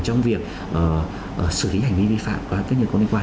trong việc xử lý hành vi vi phạm có liên quan